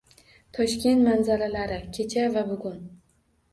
Toshkent manzaralari: kecha va bugun